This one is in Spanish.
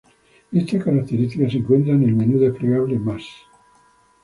Esta característica se encuentra en el menú desplegable "Más".